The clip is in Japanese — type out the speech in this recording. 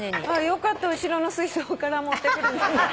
よかった後ろの水槽から持ってくるんじゃなくて。